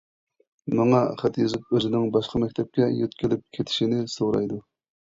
ماڭا خەت يېزىپ ئۆزىنىڭ باشقا مەكتەپكە يۆتكىلىپ كېتىشنى سورايدۇ.